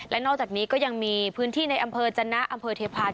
และนอกจากนี้ก็ยังมีพื้นที่ในอำเภอจนะอำเภอเทพาะ